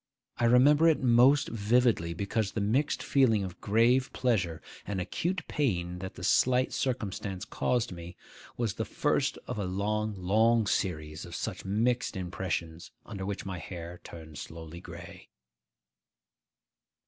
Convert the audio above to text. I remember it most vividly, because the mixed feeling of grave pleasure and acute pain that the slight circumstance caused me was the first of a long, long series of such mixed impressions under which my hair turned slowly gray.